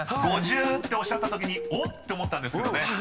［「五十」っておっしゃったときおっ！って思ったんですけどね］